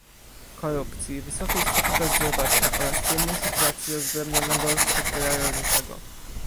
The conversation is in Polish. korupcji, wysokiej stopy bezrobocia oraz trudnej sytuacji rozdrobnionego sektora rolniczego